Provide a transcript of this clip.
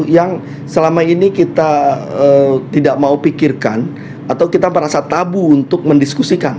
yang selama ini kita tidak mau pikirkan atau kita merasa tabu untuk mendiskusikan